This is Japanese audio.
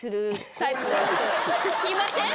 いません？